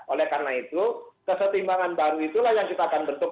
oleh karena itu kesetimbangan baru itulah yang kita akan bentuk